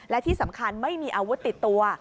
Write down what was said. และที่สำคัญไม่มีอาวุธติดตัว